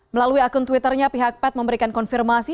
melalui akun twitternya pihak pat memberikan konfirmasi